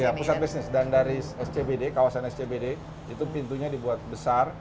iya pusat bisnis dan dari scbd kawasan scbd itu pintunya dibuat besar